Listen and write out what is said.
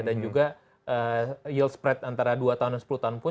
dan juga yield spread antara dua tahun dan sepuluh tahun pun